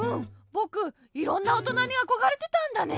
ぼくいろんなおとなにあこがれてたんだね！